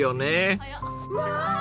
うわ！